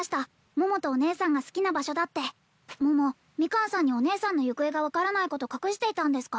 桃とお姉さんが好きな場所だって桃ミカンさんにお姉さんの行方が分からないこと隠していたんですか？